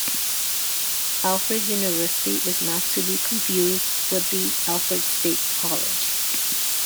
Alfred University is not to be confused with the Alfred State College.